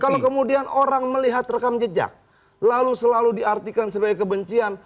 kalau kemudian orang melihat rekam jejak lalu selalu diartikan sebagai kebencian